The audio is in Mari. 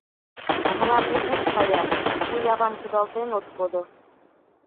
А мылам нигуш каяш, туйо авам кудалтен от кодо.